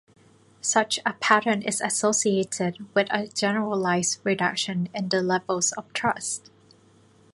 Such a pattern is associated with a generalised reduction in the levels of trust.